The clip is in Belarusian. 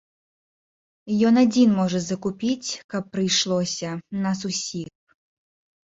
Ён адзін можа закупіць, каб прыйшлося, нас усіх.